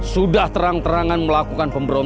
sudah terang terangan melakukan pemberohan